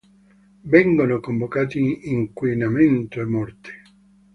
Vengono convocati Inquinamento e Morte.